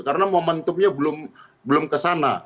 karena momentumnya belum kesana